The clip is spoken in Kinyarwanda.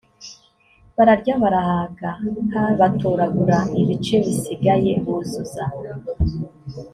bararya barahaga h batoragura ibice bisigaye buzuza